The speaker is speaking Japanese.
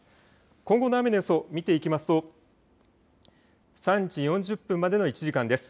今後の雨の予想を見ていきますと３時４０分までの１時間です。